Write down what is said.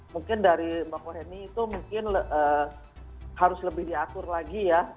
mungkin dari mbak hoheni itu mungkin harus lebih diatur lagi ya